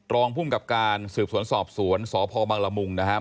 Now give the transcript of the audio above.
รองภูมิกับการสืบสวนสอบสวนสพบังละมุงนะครับ